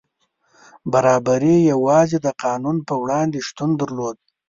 برابري یوازې د قانون په وړاندې شتون درلود.